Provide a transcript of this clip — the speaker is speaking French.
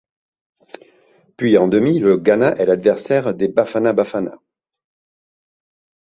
Puis en demi, le Ghana est l’adversaire des Bafana Bafana.